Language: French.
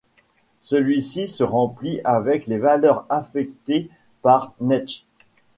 Celui-ci sera rempli avec les valeurs affectées par netsh.